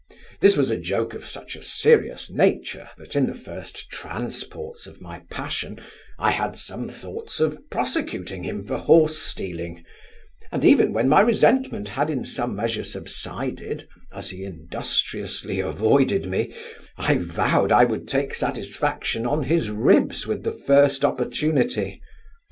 This was a joke of such a serious nature, that, in the first transports of my passion, I had some thoughts of prosecuting him for horse stealing; and even when my resentment had in some measure subsided, as he industriously avoided me, I vowed, I would take satisfaction on his ribs with the first opportunity.